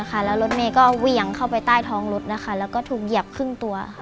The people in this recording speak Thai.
แล้วรถเมย์ก็เหวี่ยงเข้าไปใต้ท้องรถนะคะแล้วก็ถูกเหยียบครึ่งตัว